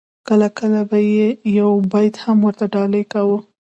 کله کله به یې یو بیت هم ورته ډالۍ کاوه.